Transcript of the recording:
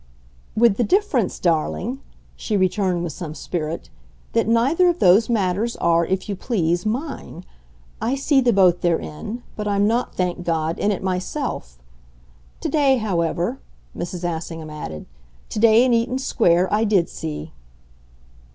"With the difference, darling," she returned with some spirit, "that neither of those matters are, if you please, mine. I see the boat they're in, but I'm not, thank God, in it myself. To day, however," Mrs. Assingham added, "to day in Eaton Square I did see."